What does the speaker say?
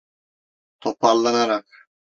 Toparlanarak...